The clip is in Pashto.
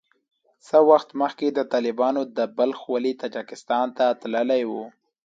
څه وخت مخکې د طالبانو د بلخ والي تاجکستان ته تللی وو